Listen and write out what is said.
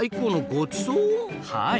はい。